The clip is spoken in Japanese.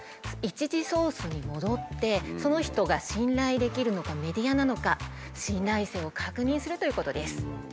１次ソースに戻ってその人が信頼できるのかメディアなのか信頼性を確認するということです。